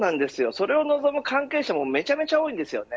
それを望む関係者もめちゃめちゃ多いです。